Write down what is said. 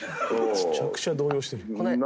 めちゃくちゃ動揺してる。